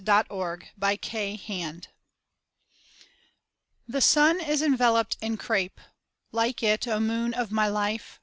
The Possessed One The sun is enveloped in crape! like it, O Moon of my Life!